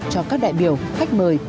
cho các đại biểu khách mời